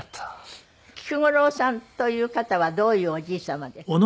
菊五郎さんという方はどういうおじい様ですか？